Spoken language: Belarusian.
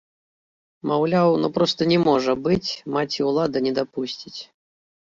Маўляў, ну проста не можа быць, маці-ўлада не дапусціць!